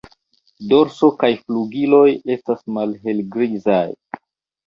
Dorso kaj flugiloj estas malhelgrizaj.